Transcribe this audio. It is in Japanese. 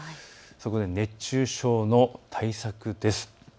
そこで熱中症の対策です。